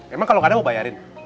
emang kalau nggak ada mau bayarin